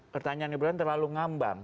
pertanyaan ibu terlalu ngambang